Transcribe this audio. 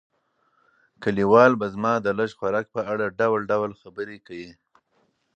کلیوال به زما د لږ خوراک په اړه ډول ډول خبرې کوي.